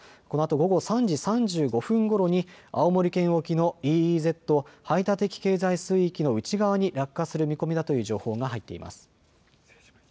このあと午後３時３５分ごろに青森県沖のＥＥＺ・排他的経済水域の内側に落下する見込みだという情報が入っています。